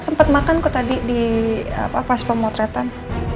sempet makan aku tadi di pas pemotretan